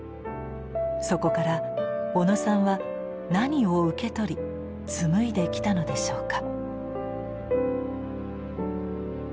そこから小野さんは何を受け取り紡いできたのでしょうか。